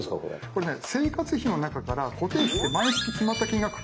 これね生活費の中から固定費って毎月決まった金額かかってるものってあると思うんです。